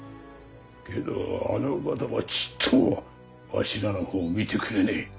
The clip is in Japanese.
けどあのお方はちっともわしらの方を見てくれねえ。